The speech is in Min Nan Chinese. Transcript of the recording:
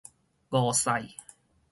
五賽